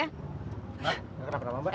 mbak gak kena perang sama mbak